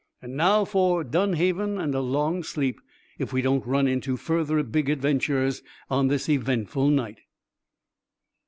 And now, for Dunhaven and a long sleep if we don't run into further big adventures on this eventful night."